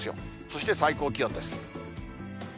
そして最高気温です。